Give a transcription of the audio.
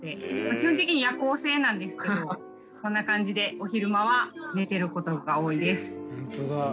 基本的に夜行性なのでこんな感じで昼間は寝ていることが多いです。